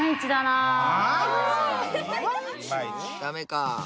ダメか。